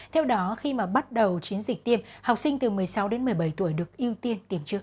theo đó khi mà bắt đầu chiến dịch tiêm học sinh từ một mươi sáu đến một mươi bảy tuổi được ưu tiên tiêm trước